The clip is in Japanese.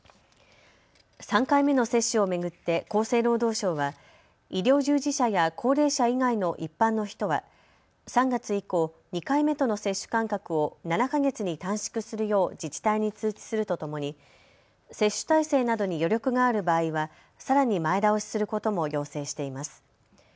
３回目の接種を巡って厚生労働省は医療従事者や高齢者以外の一般の人は３月以降、２回目との接種間隔を７か月に短縮するよう自治体に通知するとともに接種体制などに余力がある場合はさらに前倒しすることも要請しています。